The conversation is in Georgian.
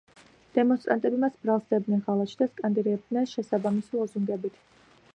დემონსტრანტები მას ბრალს სდებდნენ ღალატში და სკანდირებდნენ შესაბამისი ლოზუნგებით.